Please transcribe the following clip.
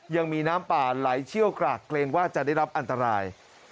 ยังมีน้ำป่าไหลเชี่ยวกรากเกรงว่าจะได้รับอันตราย